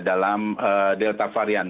dalam delta varian